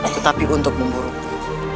tetapi untuk memburuku